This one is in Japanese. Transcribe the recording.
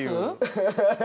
アハハハハ！